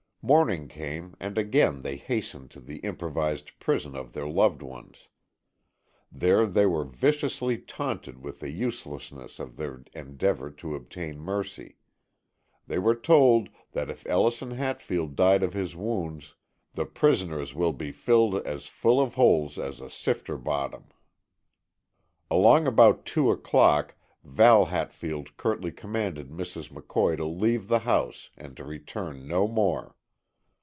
Morning came and again they hastened to the improvised prison of their loved ones. There they were viciously taunted with the uselessness of their endeavor to obtain mercy. They were told that if Ellison Hatfield died of his wounds, "the prisoners will be filled as full of holes as a sifter bottom." Along about two o'clock Val Hatfield curtly commanded Mrs. McCoy to leave the house and to return no more.